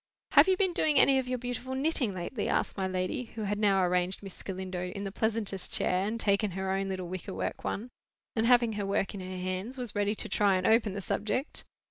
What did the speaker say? "Have you been doing any of your beautiful knitting lately?" asked my lady, who had now arranged Miss Galindo in the pleasantest chair, and taken her own little wicker work one, and, having her work in her hands, was ready to try and open the subject.